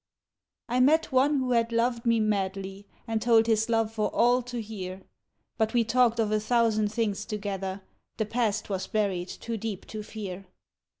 I met one who had loved me madly And told his love for all to hear But we talked of a thousand things together, The past was buried too deep to fear.